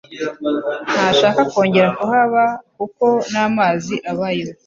Ntashaka kongera kuhaba kuko n'amazi abayo.